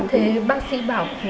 thế bác sĩ bảo